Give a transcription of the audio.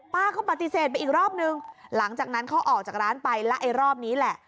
ป้าก็ปฏิเสธไปอีกรอบนึงหลังจากนั้นเขาออกจากร้านไปแล้วไอ้รอบนี้แหละ